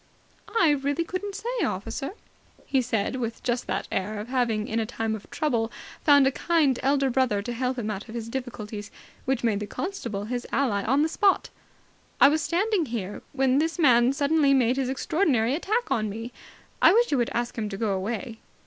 "I really couldn't say, officer," he said, with just that air of having in a time of trouble found a kind elder brother to help him out of his difficulties which made the constable his ally on the spot. "I was standing here, when this man suddenly made his extraordinary attack on me. I wish you would ask him to go away."